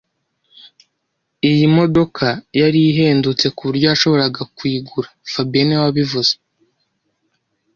Iyi modoka yari ihendutse kuburyo yashoboraga kuyigura fabien niwe wabivuze